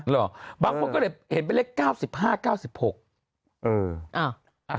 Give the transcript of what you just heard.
เหรอบางคนก็เลยเห็นเป็นเลข๙๕๙๖